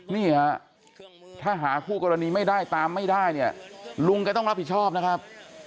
นี่ฮะถ้าหาคู่กรณีไม่ได้ตามไม่ได้เนี่ยลุงแกต้องรับผิดชอบนะครับ